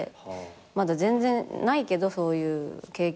まだ全然ないけどそういう経験は。